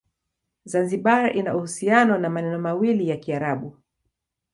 Zanzibar ina uhusiano na maneno mawili ya Kiarabu.